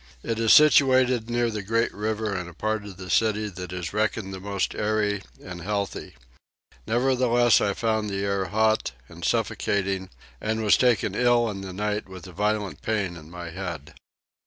It is situated near the great river in a part of the city that is reckoned the most airy and healthy. Nevertheless I found the air hot and suffocating and was taken ill in the night with a violent pain in my head.